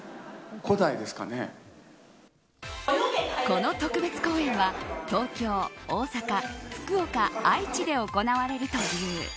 この「特別公演」は東京、大阪、福岡、愛知で行われるという。